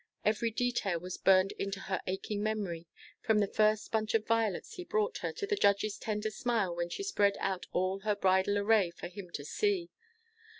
Every detail was burned into her aching memory, from the first bunch of violets he brought her, to the judge's tender smile when she spread out all her bridal array for him to see.